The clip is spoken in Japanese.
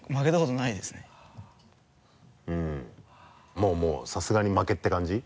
まぁもうさすがに負けって感じ？